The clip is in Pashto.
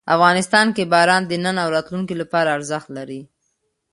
افغانستان کې باران د نن او راتلونکي لپاره ارزښت لري.